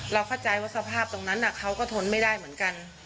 เข้าใจว่าสภาพตรงนั้นเขาก็ทนไม่ได้เหมือนกัน